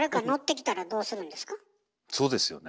そうですよね。